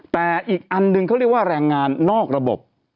แต่อีกอันหนึ่งเขาเรียกว่าแรงงานนอกระบบ